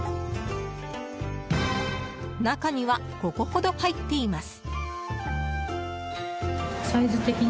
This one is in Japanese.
中には５個ほど入っています。